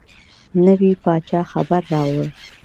نوي پاچا خبر راووړ.